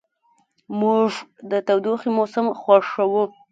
موږ د تودوخې موسم خوښوو.